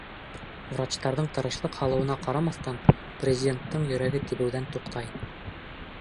Врачтарҙың тырышлыҡ һалыуына ҡарамаҫтан, президенттың йөрәге тибеүҙән туҡтай.